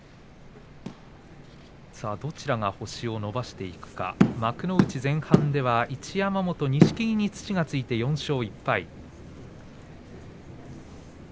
どちらが星を伸ばしていくか幕内前半では一山本、錦木に土がついて４勝１敗。